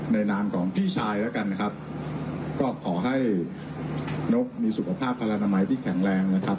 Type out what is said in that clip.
นามของพี่ชายแล้วกันนะครับก็ขอให้นกมีสุขภาพพลนามัยที่แข็งแรงนะครับ